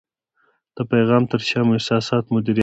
د پیغام تر شا مو احساسات مدیریت کړئ.